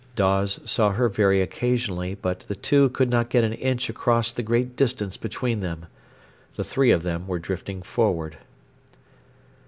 Dawes saw her very occasionally, but the two could not get an inch across the great distance between them. The three of them were drifting forward.